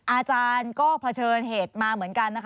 อาจารย์ก็เผชิญเหตุมาเหมือนกันนะคะ